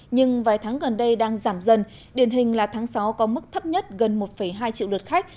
nhưng vài tháng gần đây đang giảm dần điển hình là tháng sáu có mức thấp nhất gần một hai triệu lượt khách